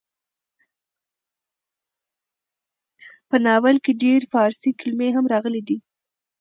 په ناول کې ډېر فارسي کلمې هم راغلې ډي.